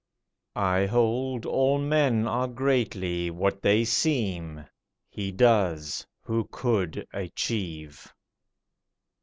I hold, all men are greatly what they seem; He does, who could achieve.